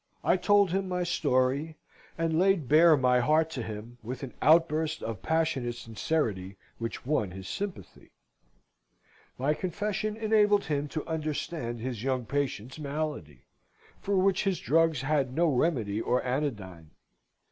I told my story, and laid bare my heart to him, with an outburst of passionate sincerity, which won his sympathy. My confession enabled him to understand his young patient's malady; for which his drugs had no remedy or anodyne.